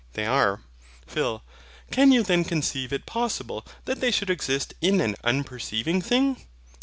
They are. PHIL. Can you then conceive it possible that they should exist in an unperceiving thing?